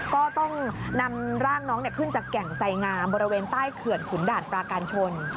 ก็ต้องนำร่างน้องขึ้นจากแก่งไสงามบริเวณใต้เขื่อนขุนด่านปราการชน